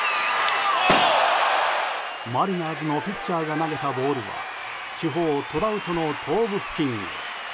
マリナーズのピッチャーが投げたボールは主砲トラウトの頭部付近に。